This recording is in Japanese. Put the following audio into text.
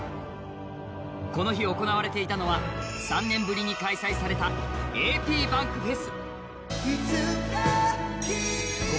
この日行われていたのは３年ぶりに開催されたａｐｂａｎｋｆｅｓ。